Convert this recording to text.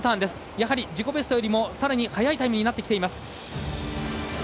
やはり自己ベストよりも更に速いタイムになってきています。